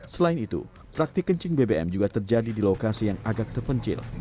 selain itu praktik kencing bbm juga terjadi di lokasi yang agak terpencil